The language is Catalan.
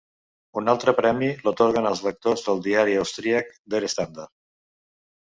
Un altre premi l'atorguen els lectors del diari austríac "Der Standard".